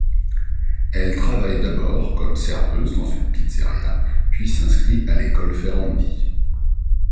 Elle travaille d'abord comme serveuse dans une pizzeria, puis s'inscrit à l'école Ferrandi.